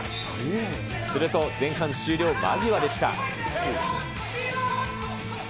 すると前半終了間際でした。